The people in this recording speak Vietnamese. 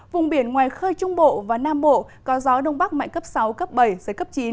vùng biển ngoài khơi trung bộ và nam bộ có gió đông bắc mạnh cấp sáu cấp bảy giới cấp chín